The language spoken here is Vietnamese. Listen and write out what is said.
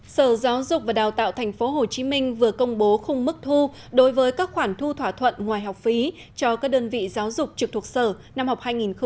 sở giáo dục và đào tạo tp hcm vừa công bố khung mức thu đối với các khoản thu thỏa thuận ngoài học phí cho các đơn vị giáo dục trực thuộc sở năm học hai nghìn hai mươi hai nghìn hai mươi